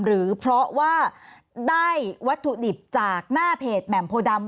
หรือเพราะว่าได้วัตถุดิบจากหน้าเพจแหม่มโพดำ